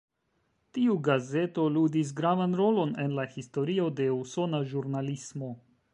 Tiu gazeto ludis gravan rolon en la historio de usona ĵurnalismo.